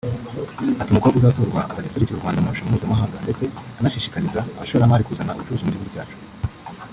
Ati “Umukobwa uzatorwa azajya aserukira u Rwanda mu marushanwa mpuzamahanga ndetse anashishikariza abashoramari kuzana ubucuruzi mu gihugu cyacu